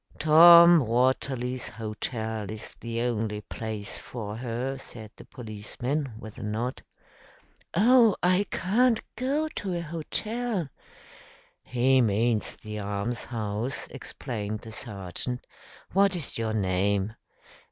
"Tom Watterly's hotel is the only place for her," said the policeman with a nod. "Oh, I can't go to a hotel." "He means the almshouse," explained the sergeant. "What is your name?"